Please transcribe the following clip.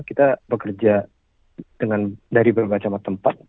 kita bekerja dari berbagai macam tempat